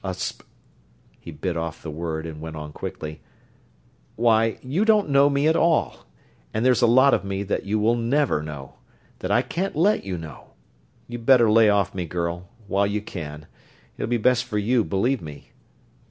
A sp...." He bit off the word and went on quickly: "Why, you don't know me at all, and there's a lot of me that you never will know that I can't let you know! You'd better lay off me, girl, while you can. It'll be best for you, believe me."